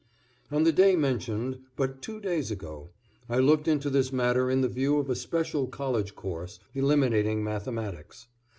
On the day mentioned, but two days ago, I looked into this matter in the view of a special college course, eliminating mathematics.